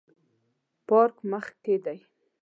پارک مخ کې دی